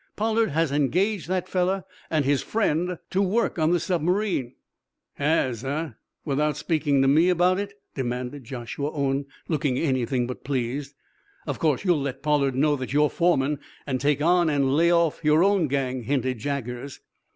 Pollard has engaged that feller and his friend to work on the submarine." "Has, eh? Without speaking to me about it?" demanded Joshua Owen, looking anything but pleased. "Of course you'll let Pollard know that you're foreman and take on and lay off your own gang," hinted Jaggers.